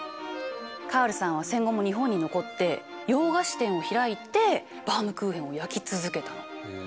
カールさんは戦後も日本に残って洋菓子店を開いてバウムクーヘンを焼き続けたの。